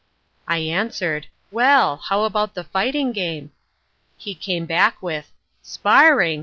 "I answered: 'Well! How about the fighting game?' "He came back with: 'Sparring!